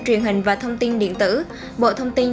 truyền hình và thông tin điện tử bộ thông tin